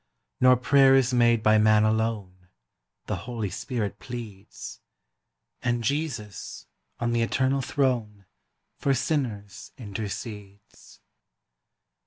Nor prayer is made by man alone The Holy Spirit pleads And Jesus, on the eternal throne, For shiners intercedes.